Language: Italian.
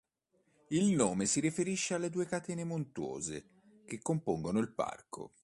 Il nome si riferisce alle due catene montuose che compongono il parco.